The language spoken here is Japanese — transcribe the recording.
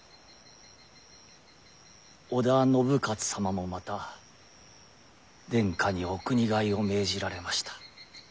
織田信雄様もまた殿下にお国替えを命じられました。